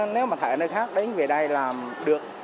nếu mà tại nơi khác đến về đây làm được